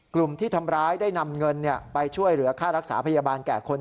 กลุ่มที่ทำร้ายได้นำเงินไปช่วยเหลือค่ารักษาพยาบาลแก่คน